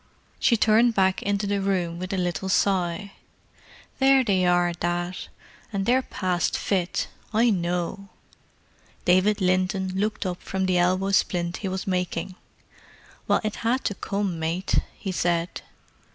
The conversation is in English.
She turned back into the room with a little sigh. "There they are, Dad. And they're passed fit—I know." David Linton looked up from the elbow splint he was making. "Well, it had to come, mate," he said.